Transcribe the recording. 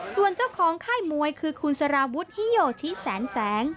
ส่วนเจ้าของค่ายมวยคือคุณสารวุฒิฮิโยธิแสนแสง